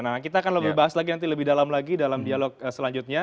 nah kita akan lebih bahas lagi nanti lebih dalam lagi dalam dialog selanjutnya